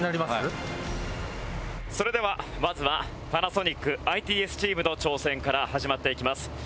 それではまずはＰａｎａｓｏｎｉｃＩＴＳチームの挑戦から始まっていきます。